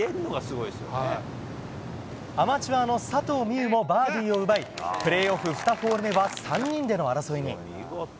アマチュアの佐藤心結もバーディーを奪いプレーオフ２ホール目は３人での争いに。